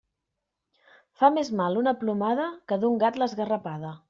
Fa més mal una plomada, que d'un gat l'esgarrapada.